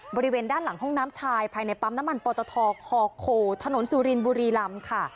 บริเวณด้านหลังห้องน้ำชายภายในปั๊มน้ำมันปตทคอโคโคถนนสุรินบุรีลำค่ะ